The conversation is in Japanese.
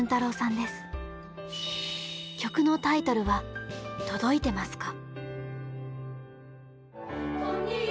曲のタイトルは「とどいてますか」。